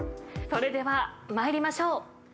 それでは参りましょう。